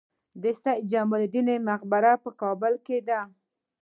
د سید جمال الدین مقبره په کابل کې ده